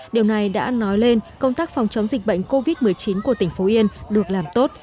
điều này đã nói lên công tác phòng chống dịch bệnh covid một mươi chín của tỉnh phú yên được làm tốt